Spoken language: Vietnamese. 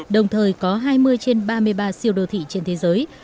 đồng thời có hai mươi trên ba mươi ba siêu đô thị trên thế giới